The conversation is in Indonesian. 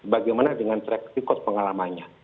bagaimana dengan traktikot pengalamannya